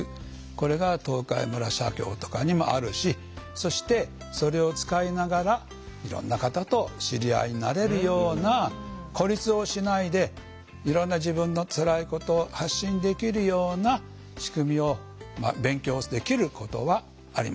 これが東海村社協とかにもあるしそしてそれを使いながらいろんな方と知り合いになれるような孤立をしないでいろんな自分のつらいこと発信できるような仕組みを勉強できることはあります。